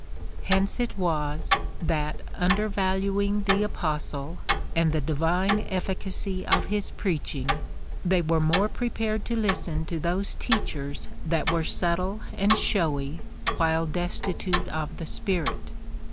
Hence it was, that imdervaluing the Aj)ostle, and the divine efficacy of his preaching, they were more prepared to listen to those teachers that were subtle and showy, while destitute of the Spirit.